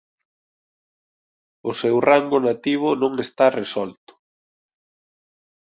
O seu rango nativo non está resolto.